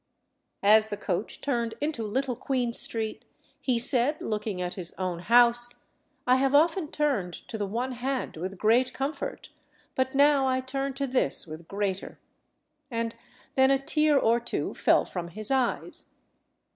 As the coach turned into Little Queen Street, he said, looking at his own house, "I have often turned to the one hand with great comfort, but now I turn to this with greater," and then a tear or two fell from his eyes.